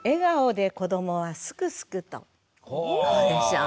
どうでしょう。